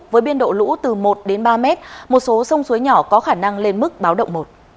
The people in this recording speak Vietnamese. với biên độ lũ từ một đến ba mét một số sông suối nhỏ có khả năng lên mức báo động một